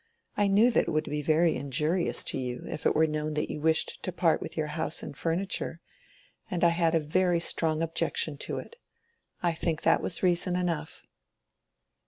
I knew that it would be very injurious to you if it were known that you wished to part with your house and furniture, and I had a very strong objection to it. I think that was reason enough."